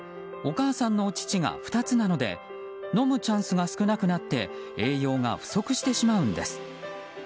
お母さんのお乳が２つなので飲むチャンスは少なくなって栄養が不足してしまうんです。